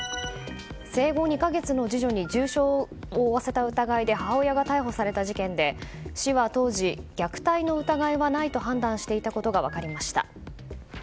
生後２か月の次女に重傷を負わせた疑いで母親が逮捕された事件で市は当時虐待の疑いはないと判断していたことが分かりました。